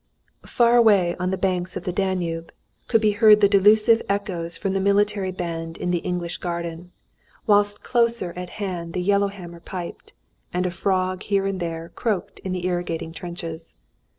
Far away on the banks of the Danube could be heard the delusive echoes from the military band in the "English Garden," whilst closer at hand the yellow hammer piped, and a frog here and there croaked in the irrigating trenches.